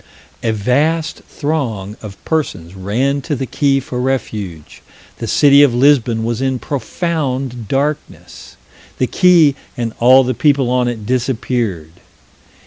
A vast throng of persons ran to the quay for refuge. The city of Lisbon was in profound darkness. The quay and all the people on it disappeared.